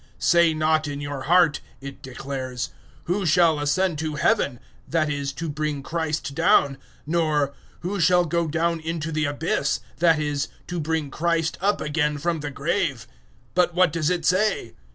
"Say not in your heart," it declares, "`Who shall ascend to Heaven?'" that is, to bring Christ down; 010:007 "nor `Who shall go down into the abyss?'" that is, to bring Christ up again from the grave. 010:008 But what does it say?